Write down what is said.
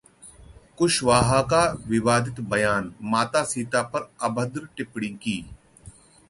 कुशवाहा का विवादित बयान, माता सीता पर अभद्र टिप्पणी की